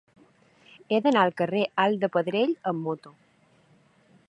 He d'anar al carrer Alt de Pedrell amb moto.